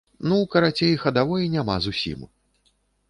Ну, карацей, хадавой няма зусім.